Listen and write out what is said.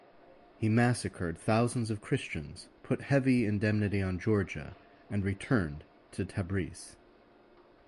He massacred thousands of Christians, put heavy indemnity on Georgia, and returned to Tabriz.